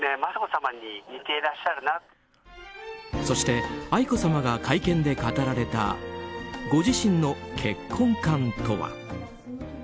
そして愛子さまが会見で語られたご自身の結婚観とは。